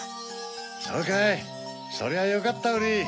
そうかいそりゃよかったウリ。